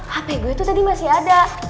hp gue itu tadi masih ada